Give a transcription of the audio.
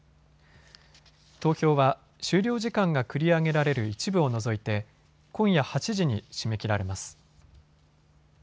投票は終了時間が繰り上げられる一部を除いて今夜８時に締め切られます。